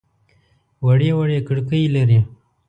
وړې وړې کړکۍ لري.